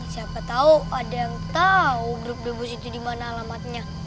siapa tahu ada yang tahu grup debus itu dimana alamatnya